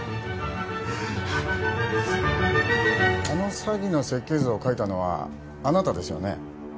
あの詐欺の設計図を書いたのはあなたですよね